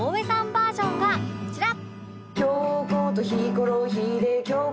バージョンがこちら